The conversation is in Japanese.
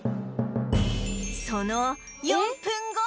その４分後